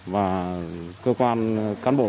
và cơ quan cán bộ